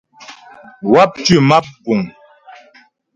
Wáp tʉ́ map mgùŋ.